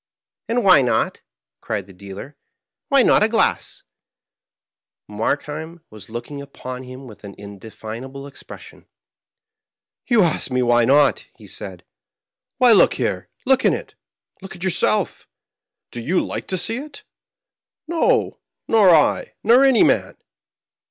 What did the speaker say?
" And why not ?" cried the dealer. " Why not a glass ?'^ Markheim was looking upon him with an indefinable expression. " You ask me why not ?" he said. " Why, look here — ^look in it — ^look at yourseK ! Do you like to see it ? No ! nor I — ^nor any man."